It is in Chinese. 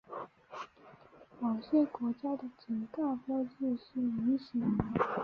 某些国家的警告标志是菱形的。